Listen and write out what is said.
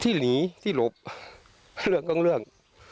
ที่หนีที่หลบเรื่องกันก็เรื่อง